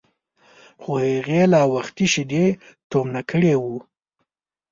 خو هغې لا وختي شیدې تومنه کړي وو.